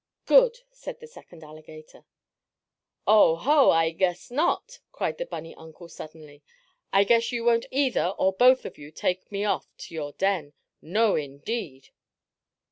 "Good!" cried the second alligator. "Oh, ho! I guess not!" cried the bunny uncle suddenly. "I guess you won't either, or both of you take me off to your den. No, indeed!"